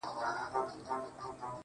په عشق کي دومره رسميت هيڅ باخبر نه کوي